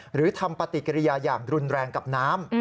หรือทำปฏิกิริยาอย่างรุนแรงกับน้ำ